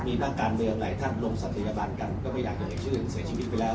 มีนักการเมืองหลายท่านร่วมศัตยบันกันก็ไม่อยากจะเอกชื่นเสียชีวิตไปแล้ว